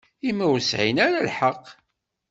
I ma ur sεin ara lḥeqq?